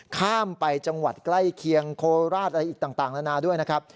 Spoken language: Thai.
ข้ามไปจังหวัดใกล้เคียงโคราชอะไรอีกต่างนานาด้วยนะครับ